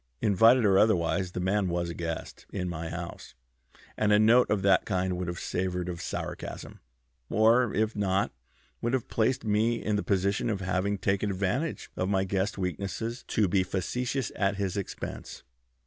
Invited or otherwise, the man was a guest in my house, and a note of that kind would have savored of sarcasm, or, if not, would have placed me in the position of having taken advantage of my guest's weakness to be facetious at his expense."